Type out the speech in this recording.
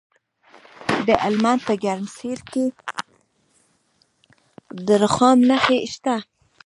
د هلمند په ګرمسیر کې د رخام نښې شته.